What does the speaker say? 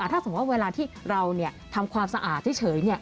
ถ้าสมมุติว่าเวลาที่เราทำความสะอาดเฉย